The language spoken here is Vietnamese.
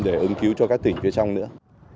để ứng cứu cho các tỉnh phía trong nữa